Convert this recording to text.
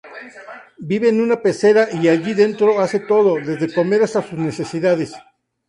Vive en una pecera y allí dentro hace todo, desde comer hasta sus necesidades.